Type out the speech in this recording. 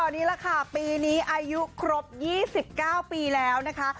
นี่แหละค่ะปีนี้อายุครบ๒๙ปีแล้วนะคะ